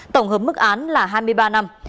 tổng hợp mức án là hai mươi ba năm